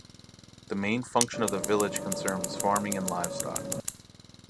The main function of the village concerns farming and livestock.